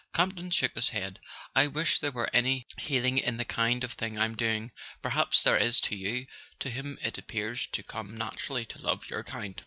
Camp ton shook his head. "I wish there were any healing in the kind of thing I'm doing; perhaps there is to you, to whom it appears to come naturally to love your kind."